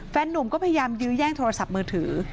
นุ่มก็พยายามยื้อแย่งโทรศัพท์มือถือ